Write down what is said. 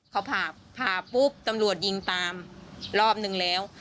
เขาผ่าผ่าปุ๊บตำรวจยิงตามรอบนึงแล้ว